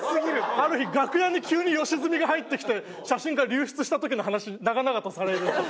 ある日楽屋に急に吉住が入ってきて写真が流出した時の話長々とされる。